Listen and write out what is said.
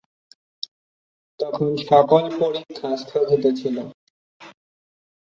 তখন সকল পরীক্ষা স্থগিত ছিল।